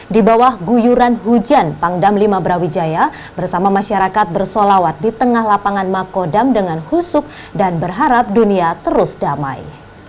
di bawah guyuran hujan pangdam lima brawijaya bersama masyarakat bersolawat di tengah lapangan makodam dengan husuk dan berharap dunia terus damai